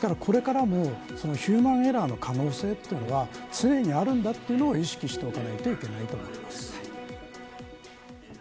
ですから、これからもヒューマンエラーの可能性というのは常にあるんだということは意識しておかなければいけないと思います。